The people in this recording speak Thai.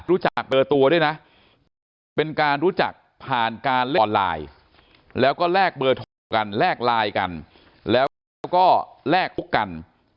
จากเบอร์ตัวด้วยนะเป็นการรู้จักผ่านการเล่นออนไลน์แล้วก็แลกเบอร์โทรกันแลกไลน์กันแล้วก็แลกปุ๊กกัน